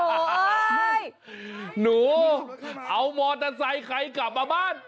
ใช่หนูเอามอเตอร์ไซค์ใครกลับมาบ้าน